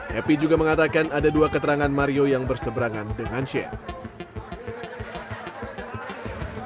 happy juga mengatakan ada dua keterangan mario yang berseberangan dengan shane